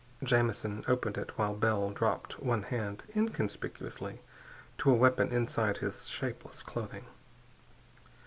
Jamison opened it, while Bell dropped one hand inconspicuously to a weapon inside his shapeless clothing.